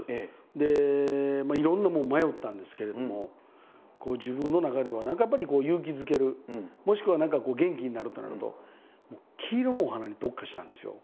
でいろんなもの迷ったんですけれども自分の中では何かやっぱり勇気づけるもしくは何か元気になるってなると黄色のお花に特化したんですよ。